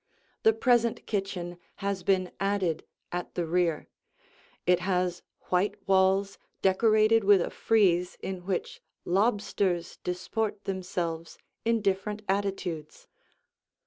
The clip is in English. The present kitchen has been added at the rear. It has white walls decorated with a frieze in which lobsters disport themselves in different attitudes.